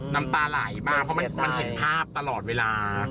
น้ำตาไหลมากเพราะมันเห็นภาพตลอดเวลา